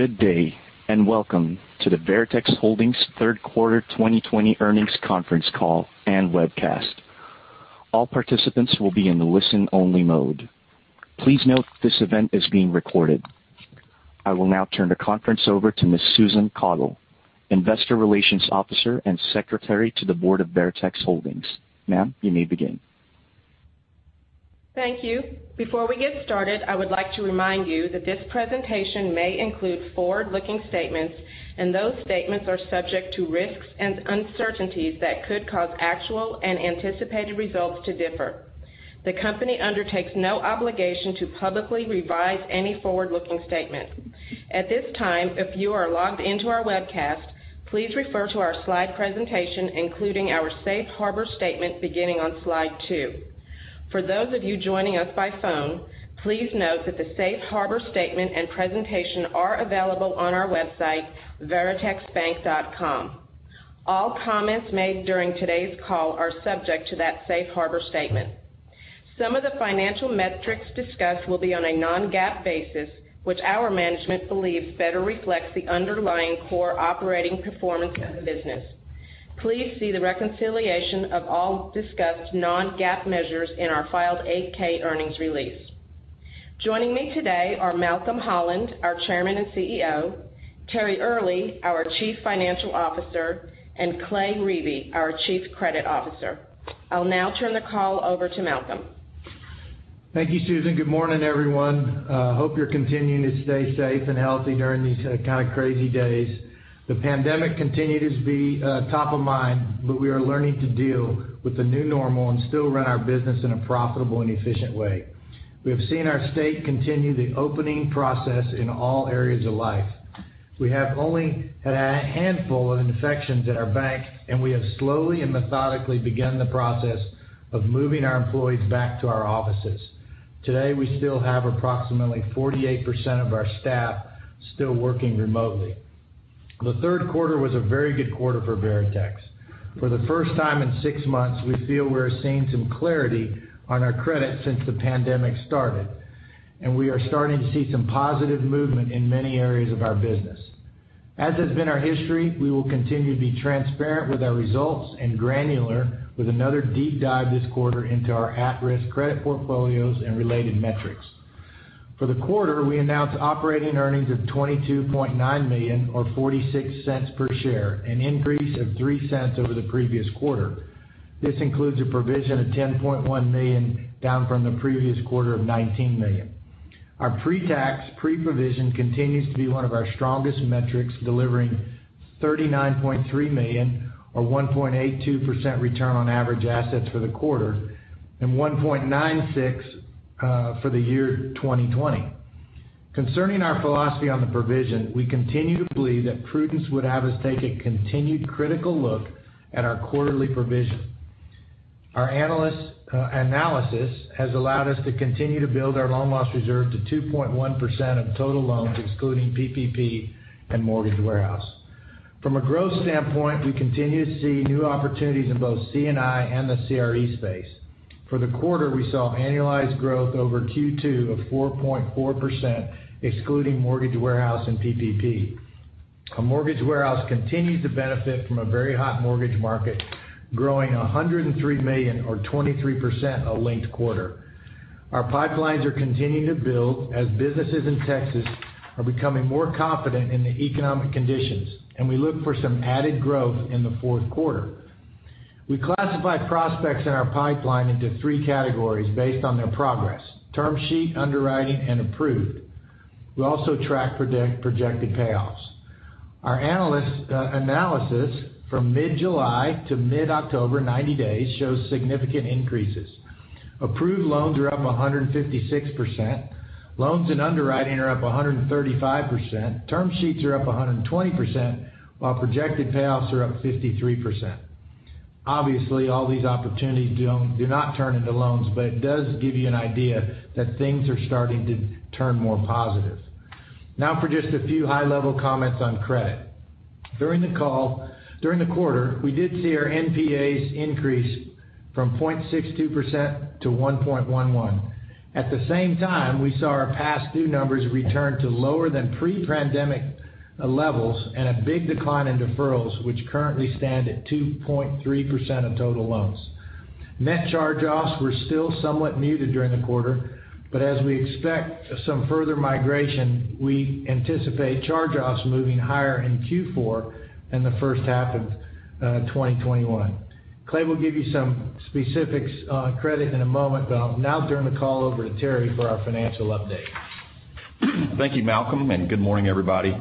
Good day, welcome to the Veritex Holdings Third Quarter 2020 Earnings Conference Call and Webcast. All participants will be in the listen only mode. Please note this event is being recorded. I will now turn the conference over to Ms. Susan Caudle, Investor Relations Officer and Secretary to the Board of Veritex Holdings. Ma'am, you may begin. Thank you. Before we get started, I would like to remind you that this presentation may include forward-looking statements, and those statements are subject to risks and uncertainties that could cause actual and anticipated results to differ. The company undertakes no obligation to publicly revise any forward-looking statement. At this time, if you are logged into our webcast, please refer to our slide presentation, including our safe harbor statement, beginning on slide two. For those of you joining us by phone, please note that the safe harbor statement and presentation are available on our website, veritexbank.com. All comments made during today's call are subject to that safe harbor statement. Some of the financial metrics discussed will be on a non-GAAP basis, which our management believes better reflects the underlying core operating performance of the business. Please see the reconciliation of all discussed non-GAAP measures in our filed 8-K earnings release. Joining me today are Malcolm Holland, our Chairman and CEO, Terry Earley, our Chief Financial Officer, and Clay Riebe, our Chief Credit Officer. I'll now turn the call over to Malcolm. Thank you, Susan. Good morning, everyone. Hope you're continuing to stay safe and healthy during these kind of crazy days. The pandemic continued to be top of mind, we are learning to deal with the new normal and still run our business in a profitable and efficient way. We have seen our state continue the opening process in all areas of life. We have only had a handful of infections at our bank, we have slowly and methodically begun the process of moving our employees back to our offices. Today, we still have approximately 48% of our staff still working remotely. The third quarter was a very good quarter for Veritex. For the first time in six months, we feel we're seeing some clarity on our credit since the pandemic started, we are starting to see some positive movement in many areas of our business. As has been our history, we will continue to be transparent with our results and granular with another deep dive this quarter into our at-risk credit portfolios and related metrics. For the quarter, we announced operating earnings of $22.9 million or $0.46 per share, an increase of $0.03 over the previous quarter. This includes a provision of $10.1 million, down from the previous quarter of $19 million. Our pre-tax, pre-provision continues to be one of our strongest metrics, delivering $39.3 million or 1.82% return on average assets for the quarter, and 1.96% for the year 2020. Concerning our philosophy on the provision, we continue to believe that prudence would have us take a continued critical look at our quarterly provision. Our analysis has allowed us to continue to build our loan loss reserve to 2.1% of total loans, excluding PPP and mortgage warehouse. From a growth standpoint, we continue to see new opportunities in both C&I and the CRE space. For the quarter, we saw annualized growth over Q2 of 4.4%, excluding mortgage warehouse and PPP. Our mortgage warehouse continues to benefit from a very hot mortgage market, growing $103 million or 23% of linked quarter. Our pipelines are continuing to build as businesses in Texas are becoming more confident in the economic conditions. We look for some added growth in the fourth quarter. We classify prospects in our pipeline into three categories based on their progress, term sheet, underwriting, and approved. We also track projected payoffs. Our analysis from mid-July to mid-October, 90 days, shows significant increases. Approved loans are up 156%. Loans in underwriting are up 135%. Term sheets are up 120%, while projected payoffs are up 53%. Obviously, all these opportunities do not turn into loans, but it does give you an idea that things are starting to turn more positive. Now for just a few high-level comments on credit. During the quarter, we did see our NPAs increase from 0.62% to 1.11%. At the same time, we saw our past due numbers return to lower than pre-pandemic levels and a big decline in deferrals, which currently stand at 2.3% of total loans. Net charge-offs were still somewhat muted during the quarter, but as we expect some further migration, we anticipate charge-offs moving higher in Q4 and the first half of 2021. Clay Riebe will give you some specifics on credit in a moment, but I'll now turn the call over to Terry for our financial update. Thank you, Malcolm, and good morning, everybody.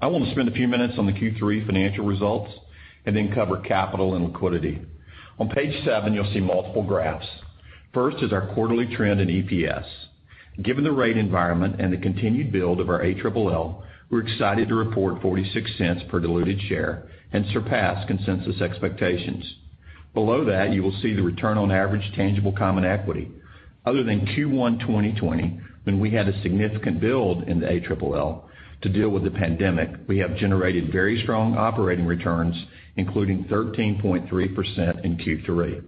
I want to spend a few minutes on the Q3 financial results and then cover capital and liquidity. On page seven, you'll see multiple graphs. First is our quarterly trend in EPS. Given the rate environment and the continued build of our ALL, we're excited to report $0.46 per diluted share and surpass consensus expectations. Below that, you will see the return on average tangible common equity. Other than Q1 2020, when we had a significant build in the ALL to deal with the pandemic, we have generated very strong operating returns, including 13.3% in Q3.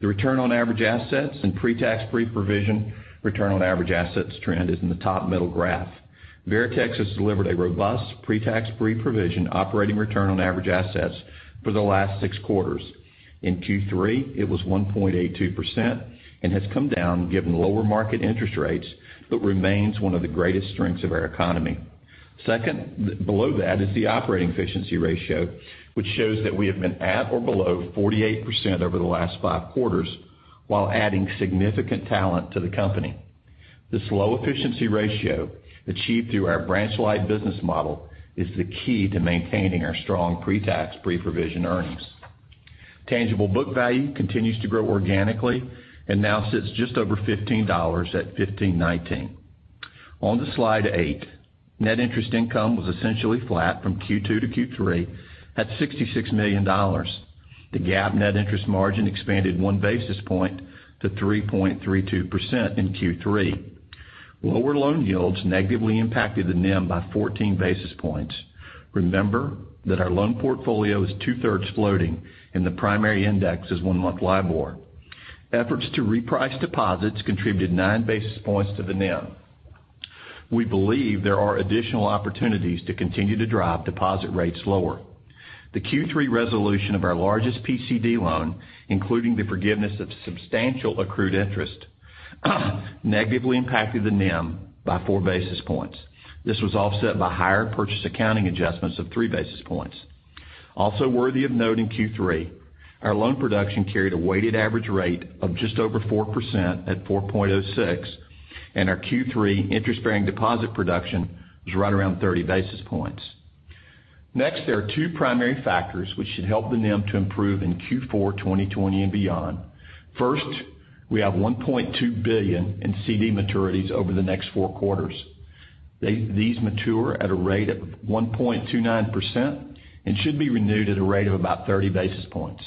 The return on average assets and pre-tax pre-provision return on average assets trend is in the top middle graph. Veritex has delivered a robust pre-tax pre-provision operating return on average assets for the last six quarters. In Q3, it was 1.82% and has come down given lower market interest rates, but remains one of the greatest strengths of our economy. Second, below that is the operating efficiency ratio, which shows that we have been at or below 48% over the last five quarters while adding significant talent to the company. This low efficiency ratio, achieved through our branch-light business model, is the key to maintaining our strong pre-tax pre-provision earnings. Tangible book value continues to grow organically and now sits just over $15 at $15.19. On to slide eight, net interest income was essentially flat from Q2 to Q3 at $66 million. The GAAP net interest margin expanded one basis point to 3.32% in Q3. Lower loan yields negatively impacted the NIM by 14 basis points. Remember that our loan portfolio is two-thirds floating and the primary index is one-month LIBOR. Efforts to reprice deposits contributed nine basis points to the NIM. We believe there are additional opportunities to continue to drive deposit rates lower. The Q3 resolution of our largest PCD loan, including the forgiveness of substantial accrued interest, negatively impacted the NIM by four basis points. This was offset by higher purchase accounting adjustments of three basis points. Also worthy of note in Q3, our loan production carried a weighted average rate of just over 4% at 4.06, and our Q3 interest-bearing deposit production was right around 30 basis points. There are two primary factors which should help the NIM to improve in Q4 2020 and beyond. We have $1.2 billion in CD maturities over the next four quarters. These mature at a rate of 1.29% and should be renewed at a rate of about 30 basis points.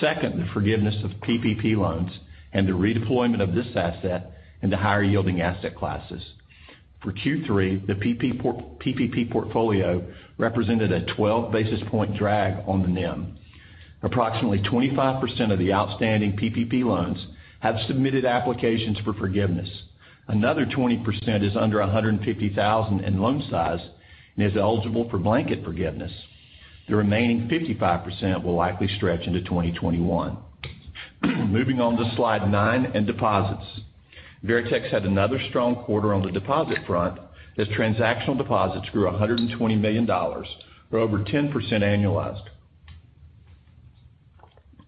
Second, the forgiveness of PPP loans and the redeployment of this asset into higher-yielding asset classes. For Q3, the PPP portfolio represented a 12 basis point drag on the NIM. Approximately 25% of the outstanding PPP loans have submitted applications for forgiveness. Another 20% is under $150,000 in loan size and is eligible for blanket forgiveness. The remaining 55% will likely stretch into 2021. Moving on to slide nine and deposits. Veritex had another strong quarter on the deposit front as transactional deposits grew $120 million or over 10% annualized.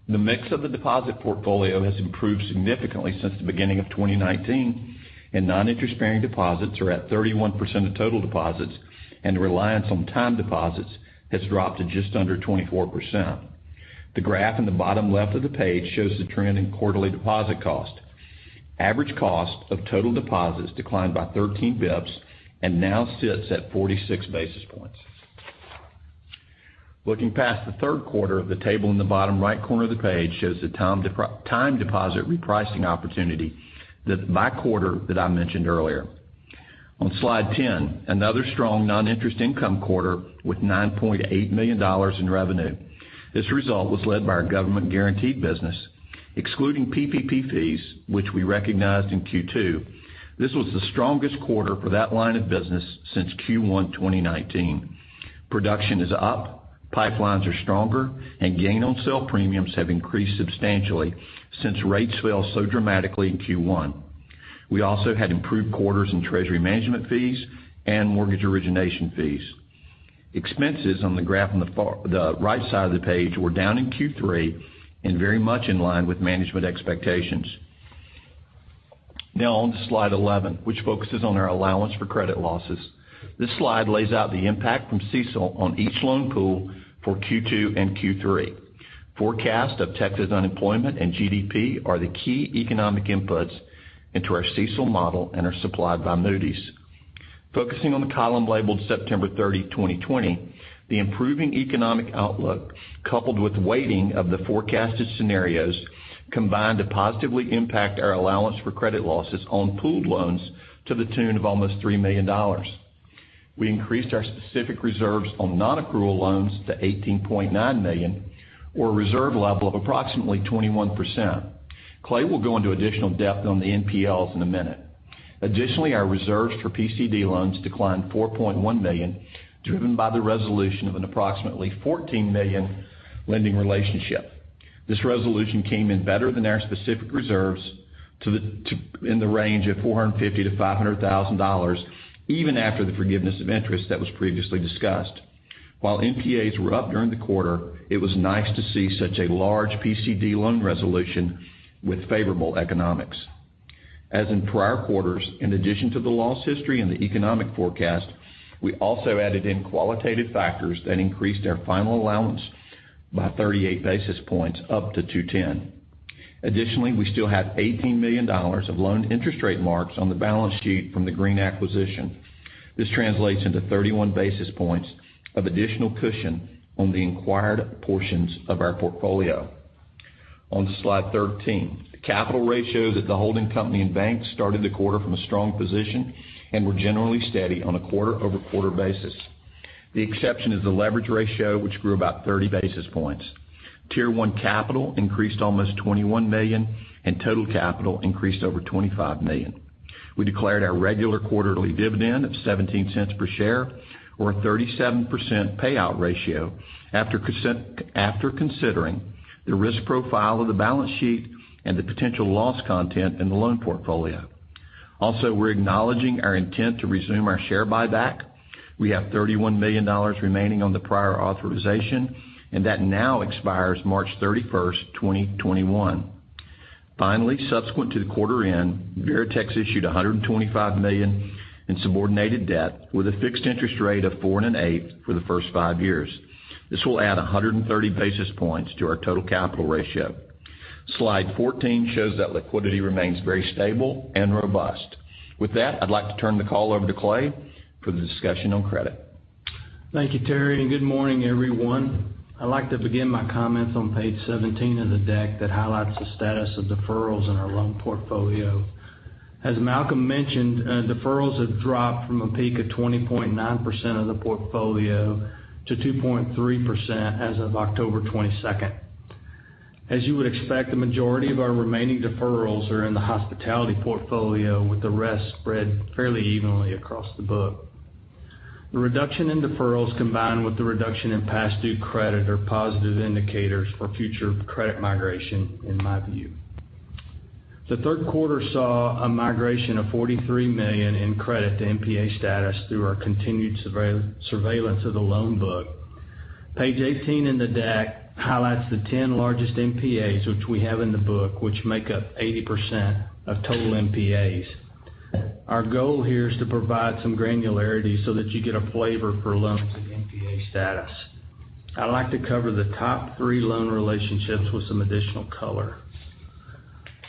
The mix of the deposit portfolio has improved significantly since the beginning of 2019, and non-interest-bearing deposits are at 31% of total deposits, and reliance on time deposits has dropped to just under 24%. The graph in the bottom left of the page shows the trend in quarterly deposit cost. Average cost of total deposits declined by 13 basis points and now sits at 46 basis points. Looking past the third quarter, the table in the bottom right corner of the page shows the time deposit repricing opportunity, by quarter that I mentioned earlier. On slide 10, another strong non-interest income quarter with $9.8 million in revenue. This result was led by our government-guaranteed business. Excluding PPP fees, which we recognized in Q2, this was the strongest quarter for that line of business since Q1 2019. Production is up, pipelines are stronger, and gain-on-sale premiums have increased substantially since rates fell so dramatically in Q1. We also had improved quarters in treasury management fees and mortgage origination fees. Expenses on the graph on the right side of the page were down in Q3 and very much in line with management expectations. Now on to slide 11, which focuses on our allowance for credit losses. This slide lays out the impact from CECL on each loan pool for Q2 and Q3. Forecasts of Texas unemployment and GDP are the key economic inputs into our CECL model and are supplied by Moody's. Focusing on the column labeled September 30, 2020, the improving economic outlook, coupled with weighting of the forecasted scenarios, combined to positively impact our allowance for credit losses on pooled loans to the tune of almost $3 million. We increased our specific reserves on non-accrual loans to $18.9 million, or a reserve level of approximately 21%. Clay will go into additional depth on the NPLs in a minute. Additionally, our reserves for PCD loans declined $4.1 million, driven by the resolution of an approximately $14 million lending relationship. This resolution came in better than our specific reserves in the range of $450,000-$500,000, even after the forgiveness of interest that was previously discussed. While NPAs were up during the quarter, it was nice to see such a large PCD loan resolution with favorable economics. As in prior quarters, in addition to the loss history and the economic forecast, we also added in qualitative factors that increased our final allowance by 38 basis points up to 210. Additionally, we still have $18 million of loan interest rate marks on the balance sheet from the Green acquisition. This translates into 31 basis points of additional cushion on the acquired portions of our portfolio. On to slide 13. The capital ratios at the holding company and bank started the quarter from a strong position and were generally steady on a quarter-over-quarter basis. The exception is the leverage ratio, which grew about 30 basis points. Tier 1 capital increased almost $21 million, and total capital increased over $25 million. We declared our regular quarterly dividend of $0.17 per share, or a 37% payout ratio, after considering the risk profile of the balance sheet and the potential loss content in the loan portfolio. We're acknowledging our intent to resume our share buyback. We have $31 million remaining on the prior authorization, and that now expires March 31st, 2021. Finally, subsequent to the quarter end, Veritex issued $125 million in subordinated debt with a fixed interest rate of 4.125% for the first five years. This will add 130 basis points to our total capital ratio. Slide 14 shows that liquidity remains very stable and robust. With that, I'd like to turn the call over to Clay for the discussion on credit. Thank you, Terry, and good morning, everyone. I'd like to begin my comments on page 17 of the deck that highlights the status of deferrals in our loan portfolio. As Malcolm mentioned, deferrals have dropped from a peak of 20.9% of the portfolio to 2.3% as of October 22nd. As you would expect, the majority of our remaining deferrals are in the hospitality portfolio, with the rest spread fairly evenly across the book. The reduction in deferrals, combined with the reduction in past due credit, are positive indicators for future credit migration, in my view. The third quarter saw a migration of $43 million in credit to NPA status through our continued surveillance of the loan book. Page 18 in the deck highlights the 10 largest NPAs which we have in the book, which make up 80% of total NPAs. Our goal here is to provide some granularity so that you get a flavor for loans with NPA status. I'd like to cover the top three loan relationships with some additional color.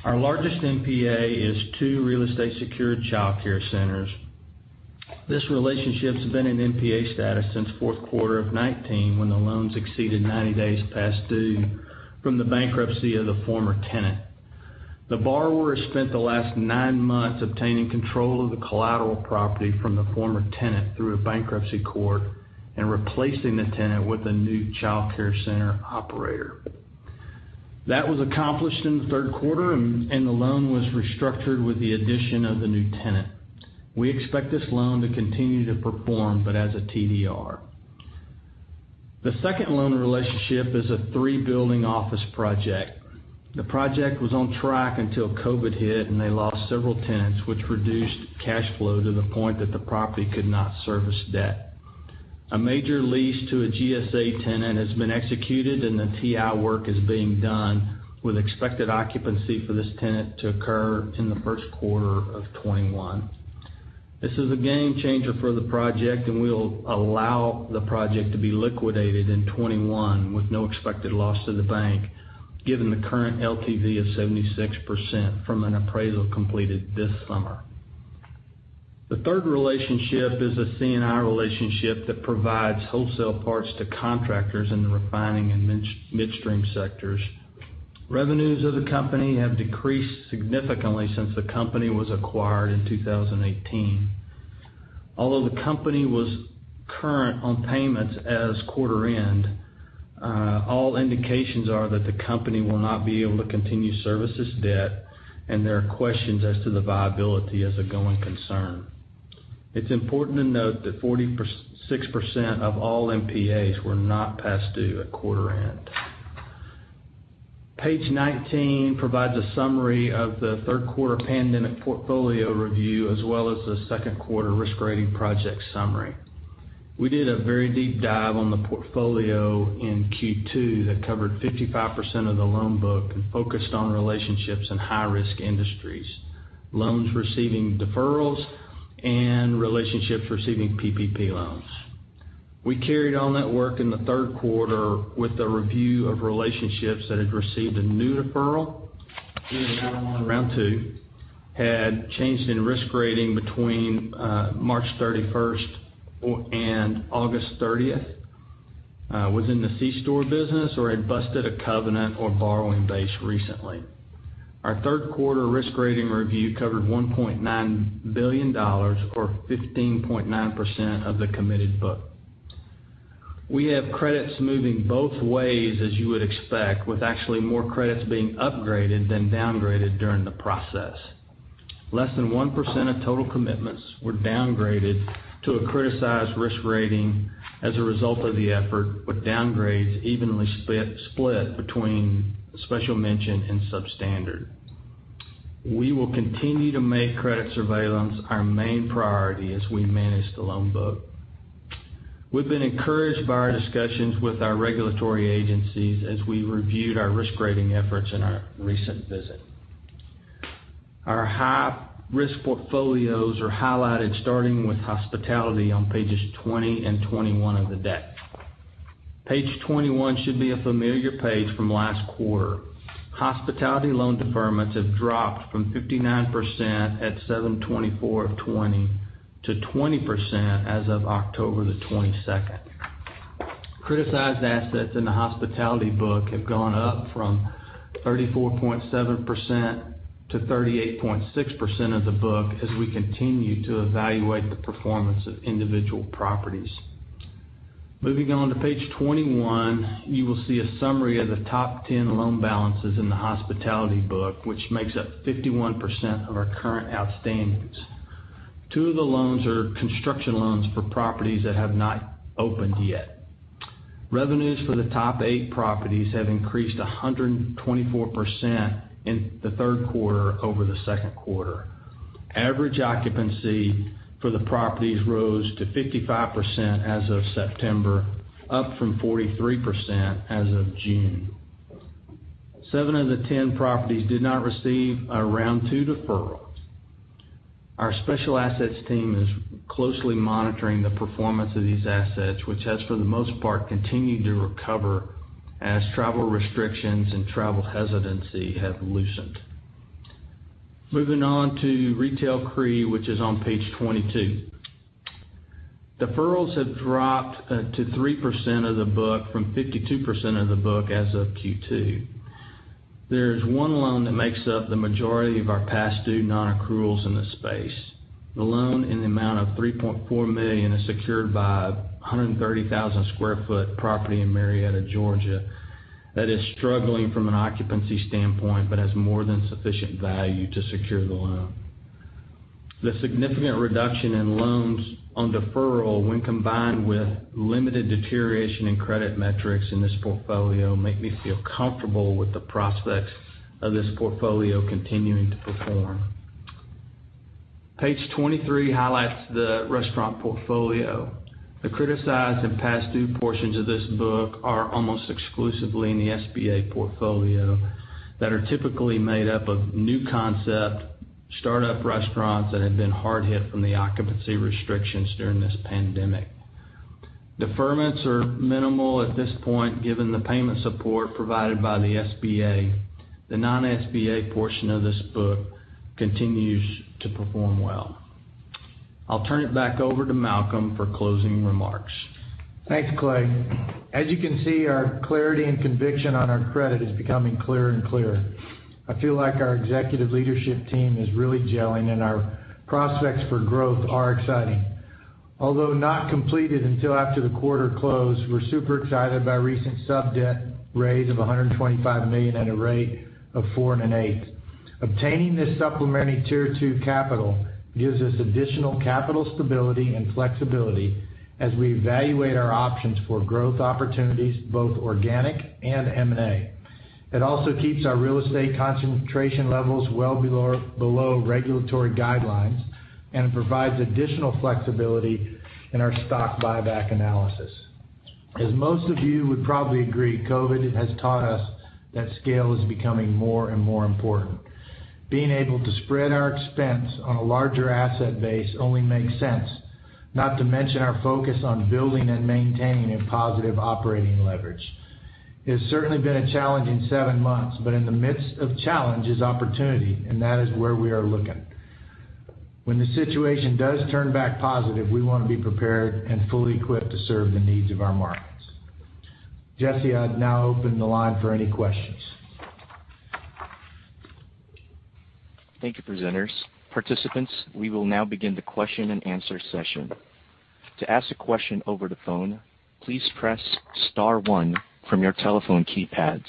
Our largest NPA is two real estate secured childcare centers. This relationship's been in NPA status since fourth quarter of 2019, when the loans exceeded 90 days past due from the bankruptcy of the former tenant. The borrower spent the last nine months obtaining control of the collateral property from the former tenant through a bankruptcy court and replacing the tenant with a new childcare center operator. That was accomplished in the third quarter, and the loan was restructured with the addition of the new tenant. We expect this loan to continue to perform, but as a TDR. The second loan relationship is a three-building office project. The project was on track until COVID hit and they lost several tenants, which reduced cash flow to the point that the property could not service debt. A major lease to a GSA tenant has been executed, and the TI work is being done with expected occupancy for this tenant to occur in the first quarter of 2021. This is a game changer for the project, and we'll allow the project to be liquidated in 2021 with no expected loss to the bank, given the current LTV of 76% from an appraisal completed this summer. The third relationship is a C&I relationship that provides wholesale parts to contractors in the refining and midstream sectors. Revenues of the company have decreased significantly since the company was acquired in 2018. Although the company was current on payments as quarter end, all indications are that the company will not be able to continue to service its debt, and there are questions as to the viability as a going concern. It's important to note that 46% of all NPAs were not past due at quarter end. Page 19 provides a summary of the third quarter pandemic portfolio review, as well as the second quarter risk rating project summary. We did a very deep dive on the portfolio in Q2 that covered 55% of the loan book and focused on relationships in high-risk industries, loans receiving deferrals, and relationships receiving PPP loans. We carried on that work in the third quarter with a review of relationships that had received a new deferral, either round one or round two, had changed in risk rating between March 31st and August 30th, was in the C-store business, or had busted a covenant or borrowing base recently. Our third quarter risk rating review covered $1.9 billion, or 15.9% of the committed book. We have credits moving both ways, as you would expect, with actually more credits being upgraded than downgraded during the process. Less than 1% of total commitments were downgraded to a criticized risk rating as a result of the effort, with downgrades evenly split between special mention and substandard. We will continue to make credit surveillance our main priority as we manage the loan book. We've been encouraged by our discussions with our regulatory agencies as we reviewed our risk rating efforts in our recent visit. Our high-risk portfolios are highlighted starting with hospitality on pages 20 and 21 of the deck. Page 21 should be a familiar page from last quarter. Hospitality loan deferments have dropped from 59% at 7/24 of 2020 to 20% as of October 22nd. Criticized assets in the hospitality book have gone up from 34.7% to 38.6% of the book as we continue to evaluate the performance of individual properties. Moving on to page 21, you will see a summary of the top 10 loan balances in the hospitality book, which makes up 51% of our current outstandings. Two of the loans are construction loans for properties that have not opened yet. Revenues for the top eight properties have increased 124% in the third quarter over the second quarter. Average occupancy for the properties rose to 55% as of September, up from 43% as of June. Seven of the 10 properties did not receive a round two deferral. Our special assets team is closely monitoring the performance of these assets, which has, for the most part, continued to recover as travel restrictions and travel hesitancy have loosened. Moving on to retail CRE, which is on page 22. Deferrals have dropped to 3% of the book from 52% of the book as of Q2. There is one loan that makes up the majority of our past due non-accruals in this space. The loan in the amount of $3.4 million is secured by 130,000 sq ft property in Marietta, Georgia, that is struggling from an occupancy standpoint, but has more than sufficient value to secure the loan. The significant reduction in loans on deferral, when combined with limited deterioration in credit metrics in this portfolio, make me feel comfortable with the prospects of this portfolio continuing to perform. Page 23 highlights the restaurant portfolio. The criticized and past due portions of this book are almost exclusively in the SBA portfolio that are typically made up of new concept startup restaurants that have been hard hit from the occupancy restrictions during this pandemic. Deferments are minimal at this point, given the payment support provided by the SBA. The non-SBA portion of this book continues to perform well. I'll turn it back over to Malcolm for closing remarks. Thanks, Clay. As you can see, our clarity and conviction on our credit is becoming clearer and clearer. I feel like our executive leadership team is really gelling, and our prospects for growth are exciting. Although not completed until after the quarter closed, we're super excited by recent sub-debt raise of $125 million at a rate of four and an eighth. Obtaining this supplementary tier 2 capital gives us additional capital stability and flexibility as we evaluate our options for growth opportunities, both organic and M&A. It also keeps our real estate concentration levels well below regulatory guidelines. It provides additional flexibility in our stock buyback analysis. As most of you would probably agree, COVID has taught us that scale is becoming more and more important. Being able to spread our expense on a larger asset base only makes sense. Not to mention our focus on building and maintaining a positive operating leverage. It's certainly been a challenging seven months, but in the midst of challenge is opportunity, and that is where we are looking. When the situation does turn back positive, we want to be prepared and fully equipped to serve the needs of our markets. Jesse, I'd now open the line for any questions. Thank you, presenters. Participants, we will now begin the question and answer session. To ask a question over the phone, please press star zero from your telephone keypads.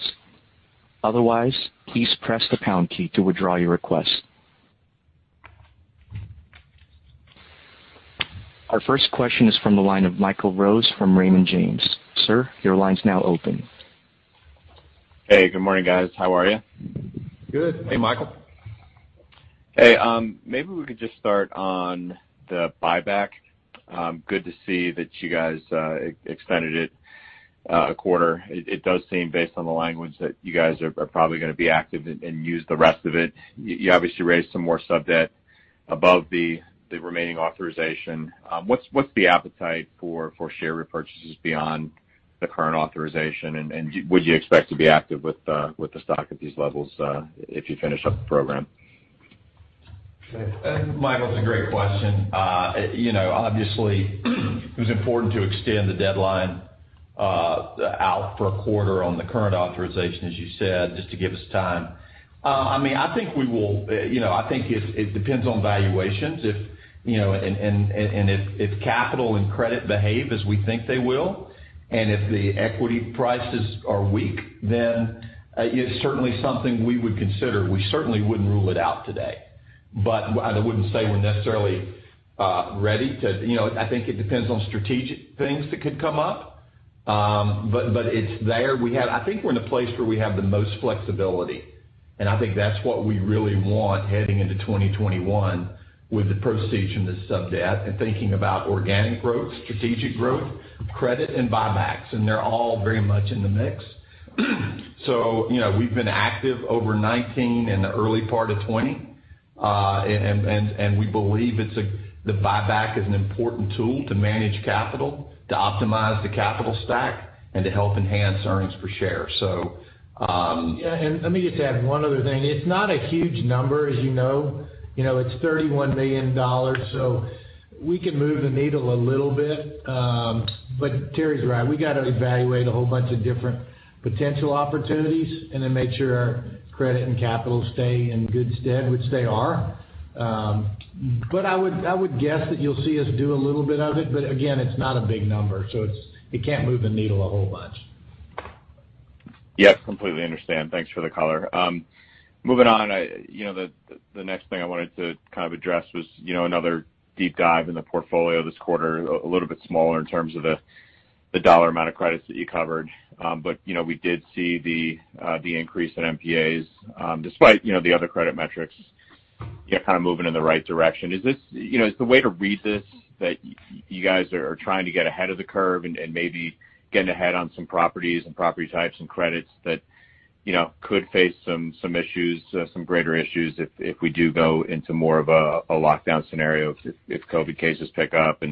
Otherwise, please press the pound key to withdraw your request. Our first question is from the line of Michael Rose from Raymond James. Sir, your line's now open. Hey, good morning, guys. How are you? Good. Hey, Michael. Hey, maybe we could just start on the buyback. Good to see that you guys extended it a quarter. It does seem, based on the language, that you guys are probably going to be active and use the rest of it. You obviously raised some more sub-debt above the remaining authorization. What's the appetite for share repurchases beyond the current authorization? Would you expect to be active with the stock at these levels if you finish up the program? Michael, it's a great question. Obviously, it was important to extend the deadline out for a quarter on the current authorization, as you said, just to give us time. If capital and credit behave as we think they will, and if the equity prices are weak, then it's certainly something we would consider. We certainly wouldn't rule it out today, but I wouldn't say we're necessarily ready to. I think it depends on strategic things that could come up. It's there. I think we're in a place where we have the most flexibility, and I think that's what we really want heading into 2021 with the proceeds from the sub debt and thinking about organic growth, strategic growth, credit, and buybacks, and they're all very much in the mix. We've been active over 2019 and the early part of 2020. We believe the buyback is an important tool to manage capital, to optimize the capital stack, and to help enhance earnings per share. Yeah. Let me just add one other thing. It's not a huge number, as you know. It's $31 million. We can move the needle a little bit. Terry's right. We got to evaluate a whole bunch of different potential opportunities and then make sure our credit and capital stay in good stead, which they are. I would guess that you'll see us do a little bit of it. Again, it's not a big number, so it can't move the needle a whole bunch. Yes, completely understand. Thanks for the color. Moving on, the next thing I wanted to address was another deep dive in the portfolio this quarter, a little bit smaller in terms of the dollar amount of credits that you covered. We did see the increase in NPAs, despite the other credit metrics kind of moving in the right direction. Is the way to read this that you guys are trying to get ahead of the curve and maybe getting ahead on some properties and property types and credits that could face some greater issues if we do go into more of a lockdown scenario, if COVID cases pick up?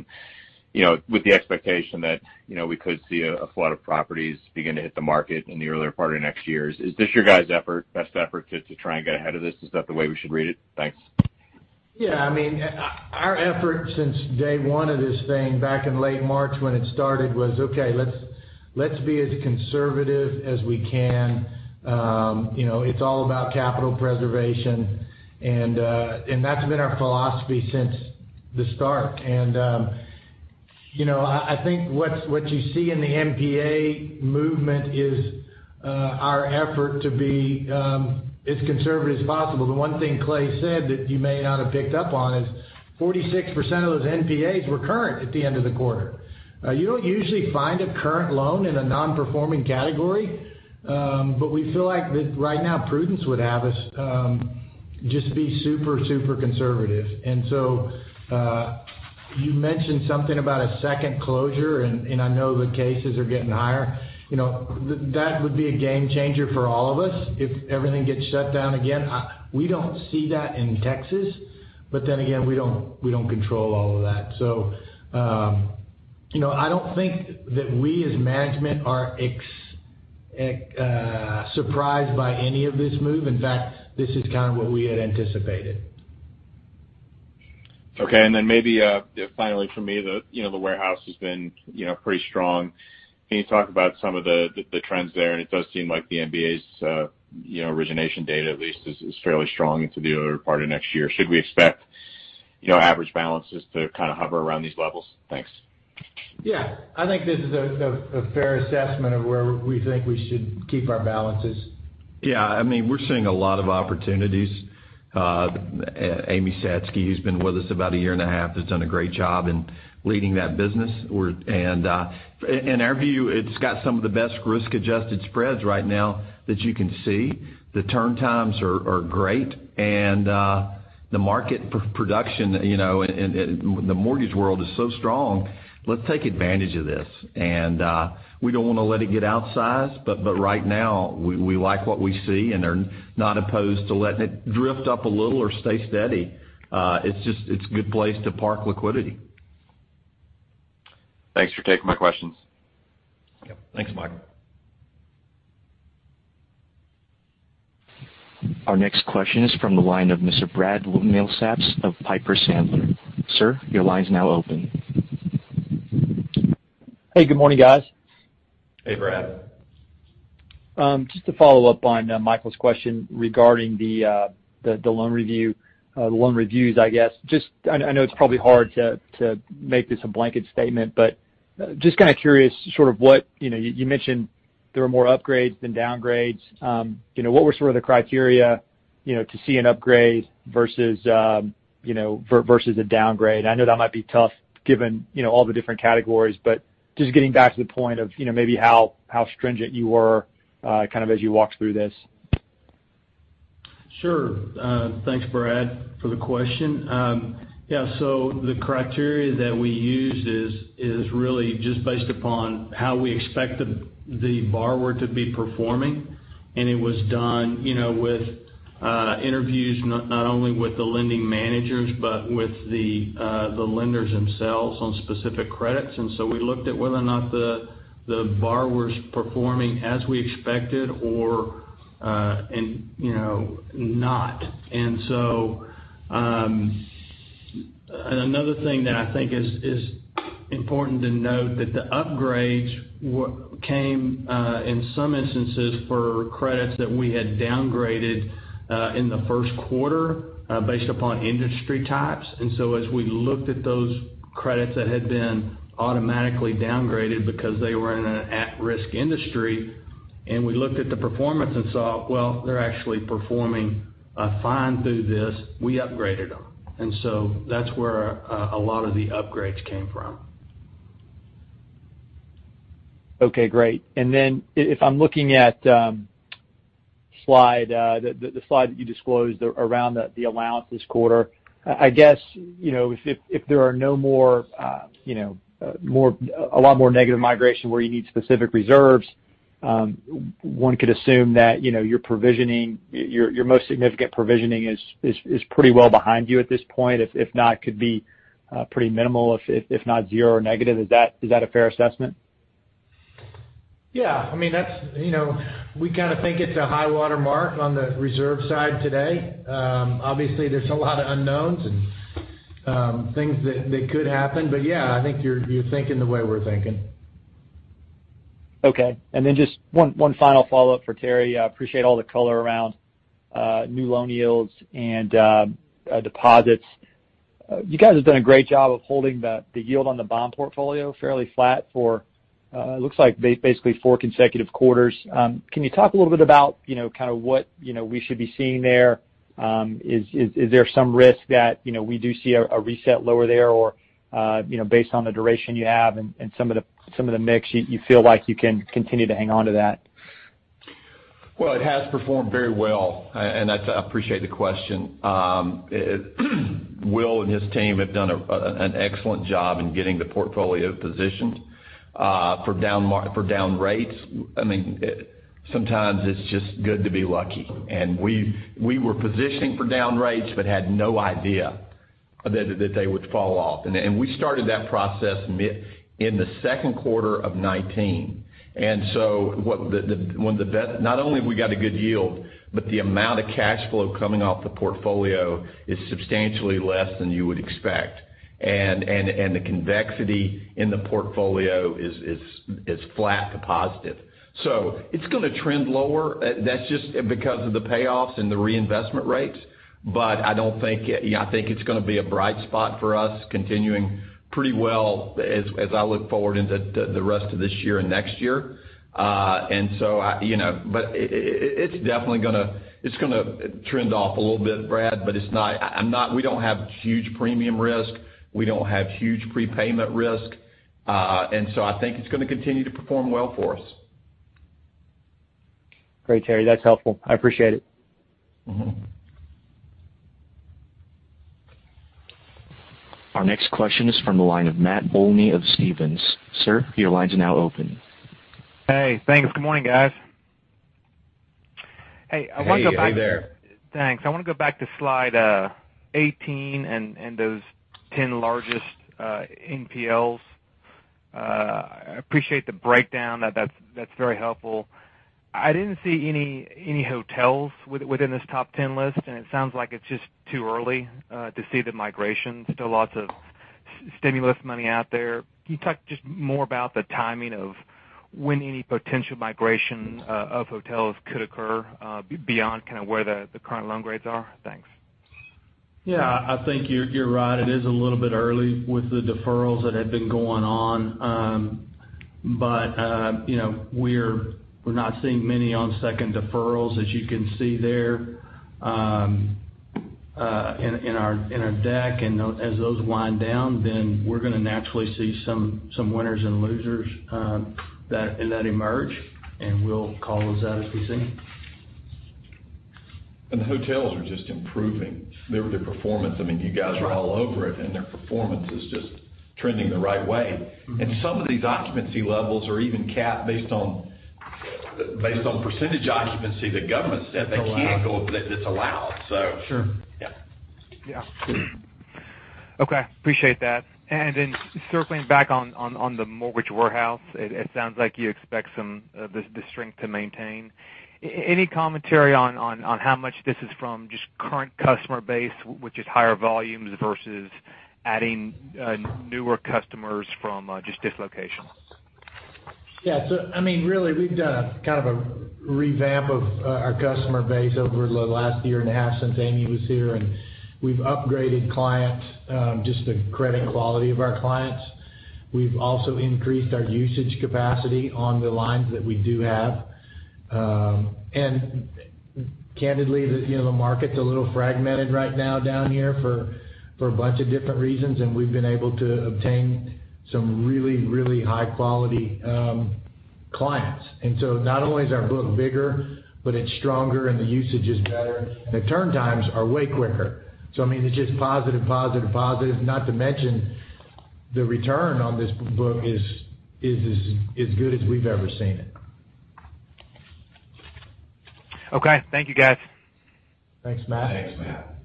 With the expectation that we could see a flood of properties begin to hit the market in the earlier part of next year, is this your guys' best effort to try and get ahead of this? Is that the way we should read it? Thanks. Yeah. Our effort since day one of this thing, back in late March when it started was, okay, let's be as conservative as we can. It's all about capital preservation, and that's been our philosophy since the start. I think what you see in the NPA movement is our effort to be as conservative as possible. The one thing Clay said that you may not have picked up on is 46% of those NPAs were current at the end of the quarter. You don't usually find a current loan in a non-performing category. We feel like that right now, prudence would have us just be super conservative. You mentioned something about a second closure, and I know the cases are getting higher. That would be a game changer for all of us if everything gets shut down again. We don't see that in Texas, but then again, we don't control all of that. I don't think that we, as management, are surprised by any of this move. In fact, this is kind of what we had anticipated. Okay. Then maybe, finally from me, the warehouse has been pretty strong. Can you talk about some of the trends there? It does seem like the MBA's origination data, at least, is fairly strong into the other part of next year. Should we expect average balances to kind of hover around these levels? Thanks. Yeah. I think this is a fair assessment of where we think we should keep our balances. Yeah. We're seeing a lot of opportunities. Amy Satsky, who's been with us about a year and a half, has done a great job in leading that business. In our view, it's got some of the best risk-adjusted spreads right now that you can see. The turn times are great, and the market production and the mortgage world is so strong. Let's take advantage of this. We don't want to let it get outsized, but right now, we like what we see, and are not opposed to letting it drift up a little or stay steady. It's a good place to park liquidity. Thanks for taking my questions. Yep. Thanks, Michael. Our next question is from the line of Mr. Brad Milsaps of Piper Sandler. Sir, your line's now open. Hey, good morning, guys. Hey, Brad. Just to follow up on Michael's question regarding the loan reviews, I guess. I know it's probably hard to make this a blanket statement, but just kind of curious, you mentioned there were more upgrades than downgrades. What were some of the criteria to see an upgrade versus a downgrade? I know that might be tough given all the different categories. Just getting back to the point of maybe how stringent you were as you walked through this. Sure. Thanks, Brad, for the question. The criteria that we used is really just based upon how we expect the borrower to be performing, and it was done with interviews, not only with the lending managers, but with the lenders themselves on specific credits. We looked at whether or not the borrower's performing as we expected or not. Another thing that I think is important to note, that the upgrades came, in some instances, for credits that we had downgraded in the first quarter based upon industry types. As we looked at those credits that had been automatically downgraded because they were in an at-risk industry, and we looked at the performance and saw, well, they're actually performing fine through this, we upgraded them. That's where a lot of the upgrades came from. Okay, great. If I'm looking at the slide that you disclosed around the allowance this quarter. I guess, if there are a lot more negative migration where you need specific reserves, one could assume that your most significant provisioning is pretty well behind you at this point. If not, could be pretty minimal, if not zero or negative. Is that a fair assessment? Yeah. We think it's a high water mark on the reserve side today. Obviously, there's a lot of unknowns and things that could happen, but yeah, I think you're thinking the way we're thinking. Okay. Just one final follow-up for Terry. I appreciate all the color around new loan yields and deposits. You guys have done a great job of holding the yield on the bond portfolio fairly flat for, it looks like, basically four consecutive quarters. Can you talk a little bit about what we should be seeing there? Is there some risk that we do see a reset lower there or, based on the duration you have and some of the mix, you feel like you can continue to hang onto that? Well, it has performed very well, and I appreciate the question. Will and his team have done an excellent job in getting the portfolio positioned for down rates. Sometimes it's just good to be lucky, and we were positioning for down rates, but had no idea that they would fall off. We started that process in the second quarter of 2019. Not only have we got a good yield, but the amount of cash flow coming off the portfolio is substantially less than you would expect. The convexity in the portfolio is flat to positive. It's going to trend lower. That's just because of the payoffs and the reinvestment rates. I think it's going to be a bright spot for us, continuing pretty well as I look forward into the rest of this year and next year. It's definitely going to trend off a little bit, Brad. We don't have huge premium risk. We don't have huge prepayment risk. I think it's going to continue to perform well for us. Great, Terry. That's helpful. I appreciate it. Our next question is from the line of Matt Olney of Stephens. Sir, your line is now open. Hey, thanks. Good morning, guys. Hey, I want to go back. Hey there. Thanks. I want to go back to slide 18 and those 10 largest NPLs. I appreciate the breakdown. That's very helpful. I didn't see any hotels within this top 10 list. It sounds like it's just too early to see the migration. Still lots of stimulus money out there. Can you talk just more about the timing of when any potential migration of hotels could occur, beyond where the current loan grades are? Thanks. Yeah. I think you're right. It is a little bit early with the deferrals that have been going on. We're not seeing many on second deferrals, as you can see there in our deck. As those wind down, then we're going to naturally see some winners and losers in that emerge, and we'll call those out as we see them. The hotels are just improving. Their performance, you guys are all over it, and their performance is just trending the right way. Some of these occupancy levels are even capped based on percentage occupancy that government said. Allowed That's allowed. Sure. Yeah. Yeah. Okay. Appreciate that. Circling back on the mortgage warehouse, it sounds like you expect some of the strength to maintain. Any commentary on how much this is from just current customer base, which is higher volumes, versus adding newer customers from just dislocation? Yeah. Really, we've done a revamp of our customer base over the last year and a half since Amy was here, and we've upgraded clients, just the credit quality of our clients. We've also increased our usage capacity on the lines that we do have. Candidly, the market's a little fragmented right now down here for a bunch of different reasons, and we've been able to obtain some really high quality clients. Not only is our book bigger, but it's stronger and the usage is better, and the turn times are way quicker. It's just positive. Not to mention the return on this book is as good as we've ever seen it. Okay. Thank you, guys. Thanks, Matt. Thanks, Matt.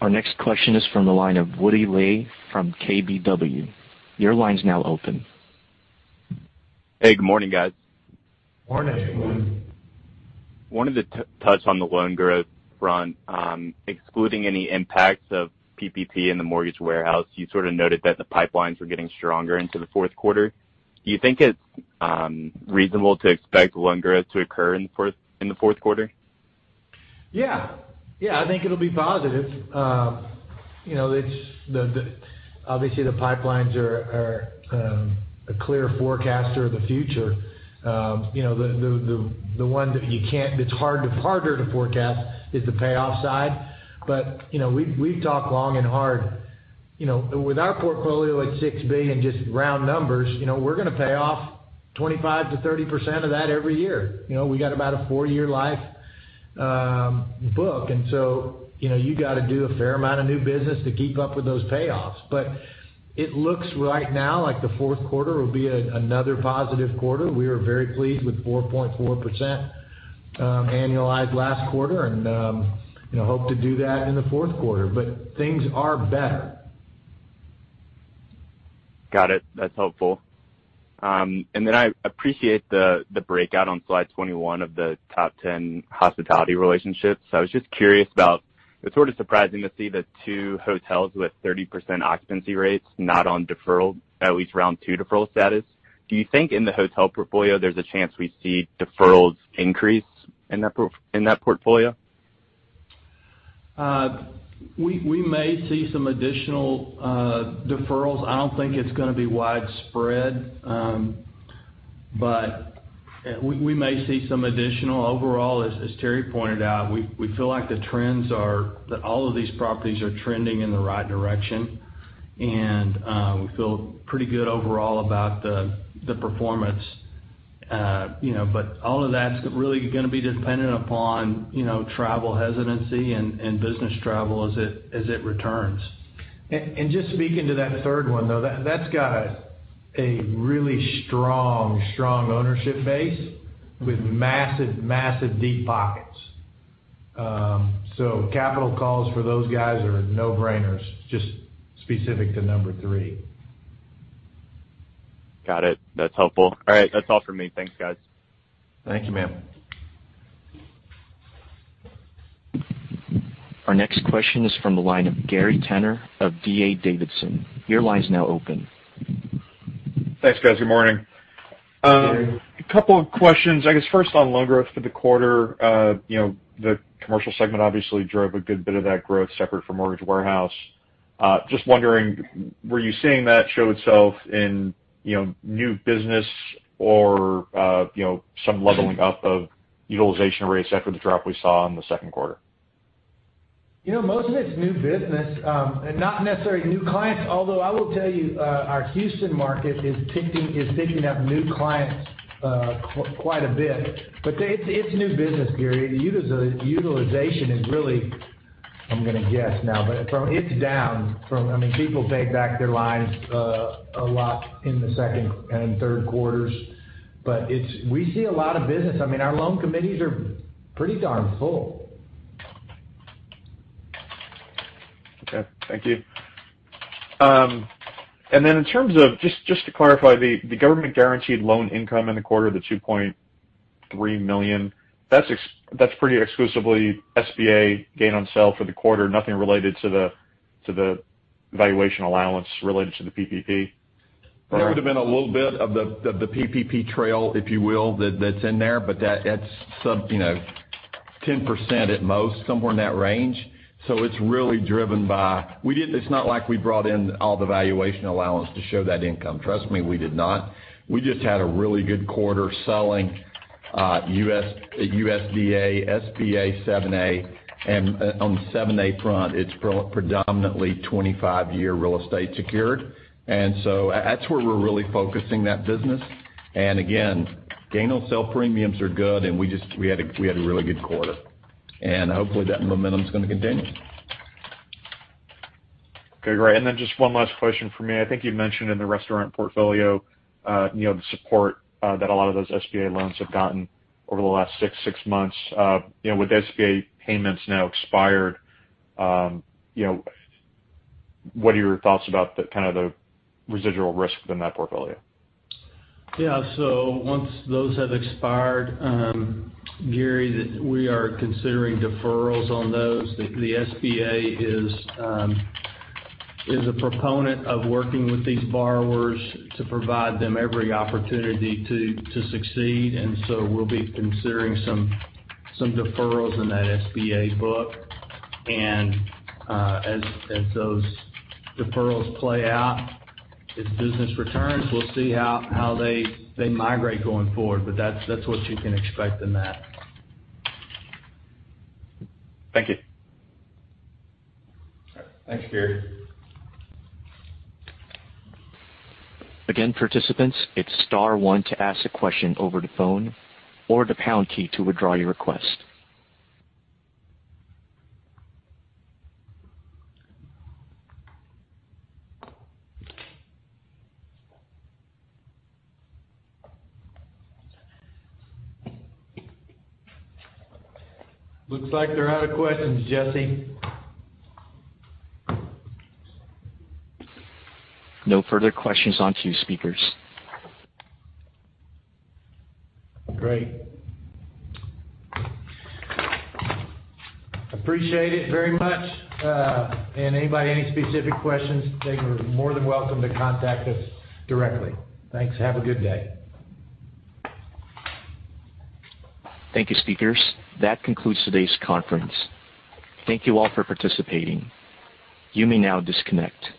Our next question is from the line of Woody Lay from KBW. Your line's now open. Hey. Good morning, guys. Morning. Morning. Wanted to touch on the loan growth front. Excluding any impacts of PPP in the mortgage warehouse, you sort of noted that the pipelines were getting stronger into the fourth quarter. Do you think it's reasonable to expect loan growth to occur in the fourth quarter? Yeah. I think it'll be positive. Obviously, the pipelines are a clear forecaster of the future. The one that's harder to forecast is the payoff side. We've talked long and hard. With our portfolio at $6 billion, just round numbers, we're going to pay off 25%-30% of that every year. We got about a four-year life book. You got to do a fair amount of new business to keep up with those payoffs. It looks right now like the fourth quarter will be another positive quarter. We are very pleased with 4.4%. Annualized last quarter and hope to do that in the fourth quarter. Things are better. Got it. That's helpful. I appreciate the breakout on slide 21 of the top 10 hospitality relationships. I was just curious about, it's sort of surprising to see the two hotels with 30% occupancy rates not on deferral, at least round two deferral status. Do you think in the hotel portfolio, there's a chance we see deferrals increase in that portfolio? We may see some additional deferrals. I don't think it's going to be widespread. We may see some additional. Overall, as Terry pointed out, we feel like all of these properties are trending in the right direction, and we feel pretty good overall about the performance. All of that's really going to be dependent upon travel hesitancy and business travel as it returns. Just speaking to that third one, though, that's got a really strong ownership base with massive deep pockets. Capital calls for those guys are no-brainers, just specific to number three. Got it. That's helpful. All right. That's all for me. Thanks, guys. Thank you, ma'am. Our next question is from the line of Gary Tenner of D.A. Davidson. Your line is now open. Thanks, guys. Good morning. Gary. A couple of questions. I guess first on loan growth for the quarter. The commercial segment obviously drove a good bit of that growth separate from Mortgage Warehouse. Just wondering, were you seeing that show itself in new business or some leveling up of utilization rates after the drop we saw in the second quarter? Most of it's new business. Not necessarily new clients, although I will tell you, our Houston market is picking up new clients quite a bit. It's new business, Gary. Utilization is really, I'm going to guess now, but it's down from, people paid back their lines a lot in the second and third quarters. We see a lot of business. Our loan committees are pretty darn full. Okay. Thank you. Then in terms of, just to clarify, the government-guaranteed loan income in the quarter, the $2.3 million, that's pretty exclusively SBA gain on sale for the quarter, nothing related to the valuation allowance related to the PPP? There would've been a little bit of the PPP trail, if you will, that's in there, but that's 10% at most, somewhere in that range. It's really driven by, it's not like we brought in all the valuation allowance to show that income. Trust me, we did not. We just had a really good quarter selling USDA, SBA 7A, and on the 7A front, it's predominantly 25-year real estate secured. That's where we're really focusing that business. Again, gain on sale premiums are good and we had a really good quarter. Hopefully that momentum's going to continue. Okay, great. Just one last question from me. I think you mentioned in the restaurant portfolio, the support that a lot of those SBA loans have gotten over the last six months. With SBA payments now expired, what are your thoughts about the residual risk within that portfolio? Yeah. Once those have expired, Gary, we are considering deferrals on those. The SBA is a proponent of working with these borrowers to provide them every opportunity to succeed, we'll be considering some deferrals in that SBA book. As those deferrals play out, as business returns, we'll see how they migrate going forward. That's what you can expect in that. Thank you. All right. Thanks, Gary. Again, participants, it's star one to ask a question over the phone or the pound key to withdraw your request. Looks like they're out of questions, Jesse. No further questions. On to you, speakers. Great. Appreciate it very much. Anybody, any specific questions, they are more than welcome to contact us directly. Thanks. Have a good day. Thank you, speakers. That concludes today's conference. Thank you all for participating. You may now disconnect.